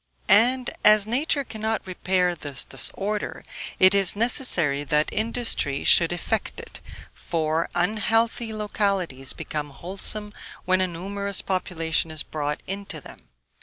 And, as nature cannot repair this disorder, it is necessary that industry should effect it, for unhealthy localities become wholesome when a numerous population is brought into them.